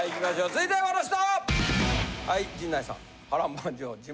続いてはこの人！